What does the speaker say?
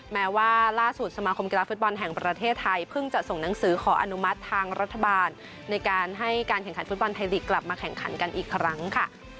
แม้ว่าล่าสุดสมาคมกีฬาฟุตบอลแห่งประเทศไทยเพิ่งจะส่งหนังสือขออนุมัติทางรัฐบาลในการให้การแข่งขันฟุตบอลไทยลีกกลับมาแข่งขันกันอีกครั้งค่ะ